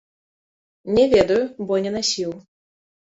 Не ведаю, бо не насіў.